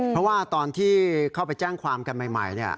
เพราะว่าตอนที่เข้าไปแจ้งความกันใหม่